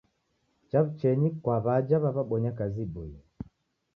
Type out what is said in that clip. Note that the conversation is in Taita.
Chaw'uchenyi kwa w'aja w'aw'iabonya kazi iboie.